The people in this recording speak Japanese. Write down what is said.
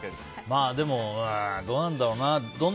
まあでも、どうなんだろうな。